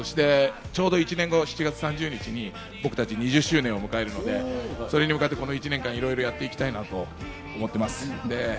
ちょうど１年後、７月３０日に僕たち２０周年を迎えるので、それに向かってこの１年間いろいろやっていきたいと思っています。